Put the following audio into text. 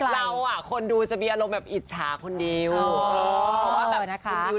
เราอ่ะคนดูจะมีอารมณ์หญิกคนดู